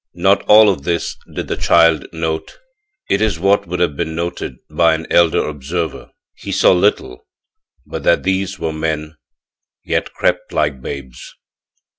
Not all of this did the child note; it is what would have been noted by an elder observer; he saw little but that these were men, yet crept like babes.